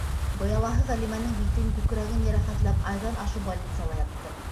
Быялаһы Ғәлимәнең битен, күкрәген йәрәхәтләп, айҙан ашыу больницала ятты.